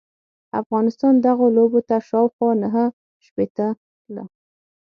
افغانستان دغو لوبو ته شاوخوا نهه شپیته ل